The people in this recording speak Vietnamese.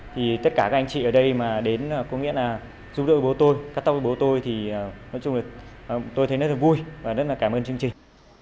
thì tất cả các anh chị ở đây mà đến có nghĩa là giúp đỡ bố tôi cắt tóc với bố tôi thì nói chung là tôi thấy rất là vui và rất là cảm ơn chương trình